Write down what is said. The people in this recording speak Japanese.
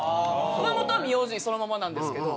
「熊元」は名字そのままなんですけど。